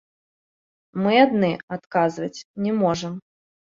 Мы адны адказваць не можам.